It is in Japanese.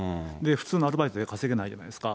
普通のアルバイトじゃ稼げないじゃないですか。